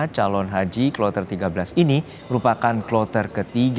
empat ratus empat puluh lima calon haji kloter tiga belas ini merupakan kloter ke tiga